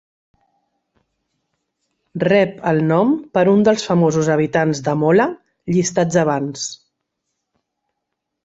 Rep el nom per un dels famosos habitants de Mola llistats abans.